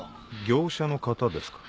業者の方ですか？